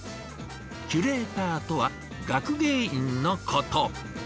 キュレーターとは学芸員のこと。